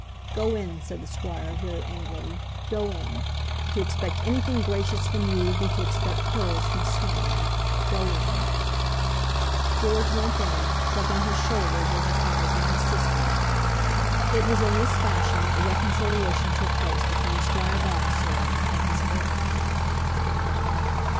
"Go in," said the squire, very angrily. "Go in. To expect anything gracious from you would be to expect pearls from swine. Go in." George went in, shrugging his shoulders as his eyes met his sister's. It was in this fashion that the reconciliation took place between Squire Vavasor and his heir.